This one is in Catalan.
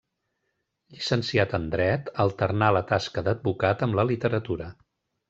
Llicenciat en dret, alternà la tasca d'advocat amb la literatura.